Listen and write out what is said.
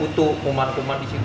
putu kuman kuman disini